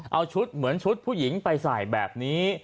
เอาชุดเหมือนชุดผู้หญิงไปใส่แบบนี้